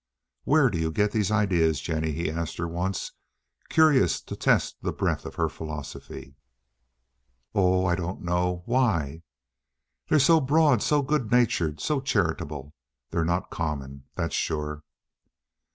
"Where do you get those ideas, Jennie?" he asked her once, curious to test the breadth of her philosophy. "Oh, I don't know, why?" "They're so broad, so good natured, so charitable. They're not common, that's sure."